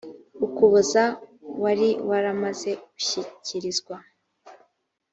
ukuboza wari waramaze gushyikirizwa